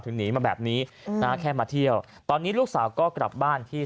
หนีมาแบบนี้นะแค่มาเที่ยวตอนนี้ลูกสาวก็กลับบ้านที่